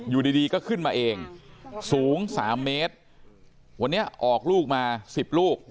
อยู่ดีดีก็ขึ้นมาเองสูงสามเมตรวันนี้ออกลูกมาสิบลูก